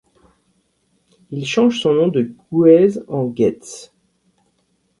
Il change son nom de Guez en Getz.